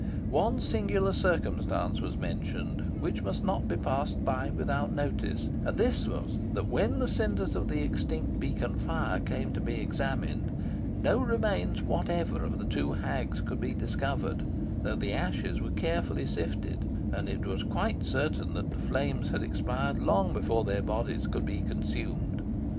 One singular circumstance was mentioned, which must not be passed by without notice; and this was, that when the cinders of the extinct beacon fire came to be examined, no remains whatever of the two hags could be discovered, though the ashes were carefully sifted, and it was quite certain that the flames had expired long before their bodies could be consumed.